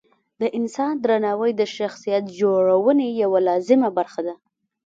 د انسان درناوی د شخصیت جوړونې یوه لازمه برخه ده.